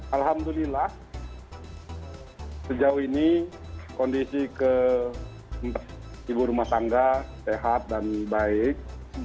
alhamdulillah sejauh ini kondisi ke ibu rumah tangga sehat dan baik